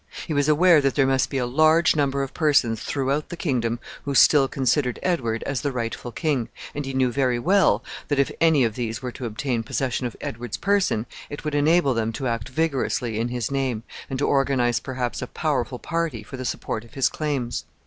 He was aware that there must be a large number of persons throughout the kingdom who still considered Edward as the rightful king, and he knew very well that, if any of these were to obtain possession of Edward's person, it would enable them to act vigorously in his name, and to organize perhaps a powerful party for the support of his claims.